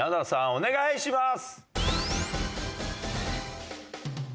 お願いします！